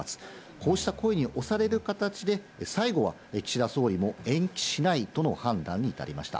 こうした声に押される形で、最後は岸田総理も延期しないとの判断に至りました。